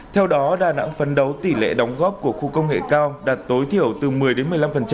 theo đó đà nẵng phấn đấu tỷ lệ đóng góp của khu công nghệ cao đạt tối thiểu từ một mươi đến một mươi năm